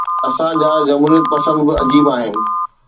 اسان جا جمهوريت پسند به عجيب آهن.